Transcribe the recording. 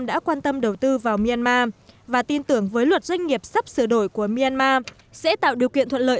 đã quan tâm đầu tư vào myanmar và tin tưởng với luật doanh nghiệp sắp sửa đổi của myanmar sẽ tạo điều kiện thuận lợi